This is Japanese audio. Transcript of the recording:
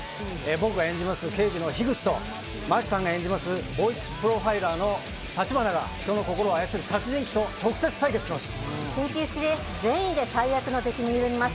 僕が演じる刑事の樋口と真木さんが演じるボイスプロファイラーの橘が人の心を操る殺人鬼と直接対決します。